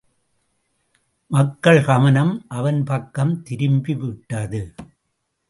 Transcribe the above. மக்கள் கவனம் அவன் பக்கம் திரும்பி விட்டது.